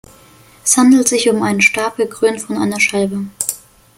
Es handelt sich um einen Stab, gekrönt von einer Scheibe.